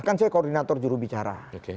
kan saya koordinator jurubicara